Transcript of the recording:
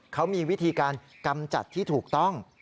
เขามีวิธีการกำจัดที่ถูกต้อง